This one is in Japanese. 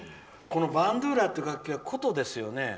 バンドゥーラという楽器は琴ですよね。